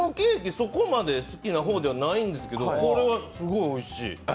そこまで好きな方ではないんですけど、これはすごいおいしい。